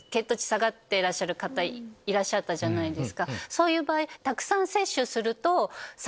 そういう場合。